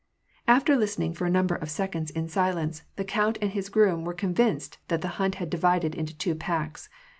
After listening for a number of seconds in silence, the coiiiit and his groom were convinced that the hunt had divided into two packs.